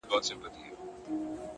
علم د بریا لاره روښانه کوي.